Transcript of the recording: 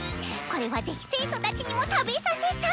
これは是非生徒たちにも食べさせたい！